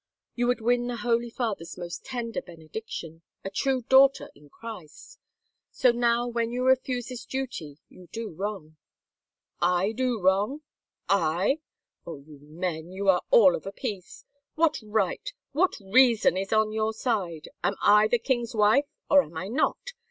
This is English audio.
You would win the Holy Father's most tender benedic tion, a true daughter in Christ. So now when you refuse this duty you do wrong —" i8i THE FAVOR OF KINGS »" I do wrong — I ?... Oh, you men, you are all of a piece ! What right, what reason is on your side ! Am I the king's wife or am I not?